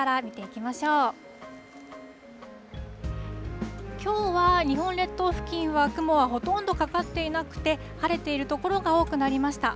きょうは日本列島付近は雲はほとんどかかっていなくて晴れている所が多くなりました。